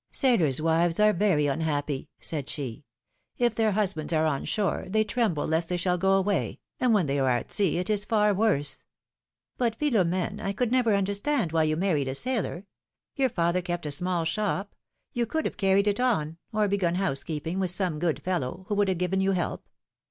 Sailors' wives are very unhappy," said she; ^^if their husbands are on shore, they tremble lest they shall go away, and when they are at sea it is far worse —" ^'But, Philom^ne, I could never understand why you married a sailor? Your father kept a small shop; you could have carried it on, or begun housekeeping with some good fellow, who would have given you help.